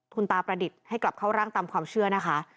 คุณตาประดิษฐ์ให้กลับเข้าร่างตามความเชื่อนะคะ